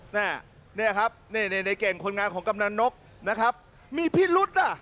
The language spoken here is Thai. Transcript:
เนี่ยครับนี่ในเก่งคนงานของกำนันนกนะครับมีพิรุษอ่ะ